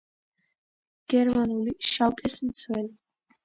გერმანული „შალკეს“ მცველი.